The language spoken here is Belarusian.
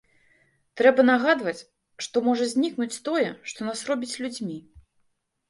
Трэба нагадваць, што можа знікнуць тое, што нас робіць людзьмі.